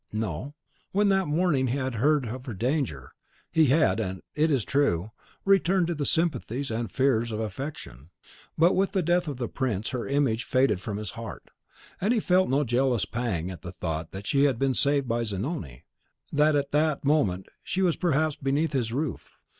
No; when that morning he had heard of her danger, he had, it is true, returned to the sympathies and the fears of affection; but with the death of the prince her image faded from his heart, and he felt no jealous pang at the thought that she had been saved by Zanoni, that at that moment she was perhaps beneath his roof.